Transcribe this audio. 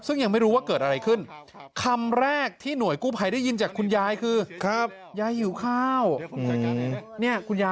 ซึ่งยังไม่รู้ว่าเกิดอะไรขึ้น